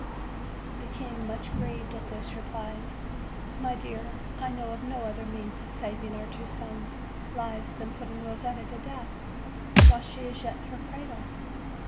The king, much grieved at this, replied: "My dear., I know of no other means of sav ing our two sous' lives than putting Kosetta to death while she is yet in her cradle."